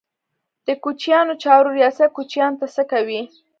د کوچیانو چارو ریاست کوچیانو ته څه کوي؟